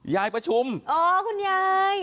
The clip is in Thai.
ยายประชุมอ๋อคุณยาย